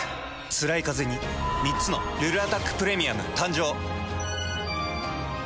つらいカゼに３つの「ルルアタックプレミアム」誕生。